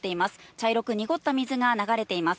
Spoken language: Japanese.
茶色く濁った水が流れています。